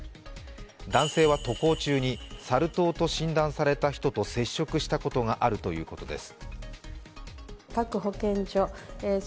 男性は渡航中にサル痘と診断された人と接触したことがあるということです。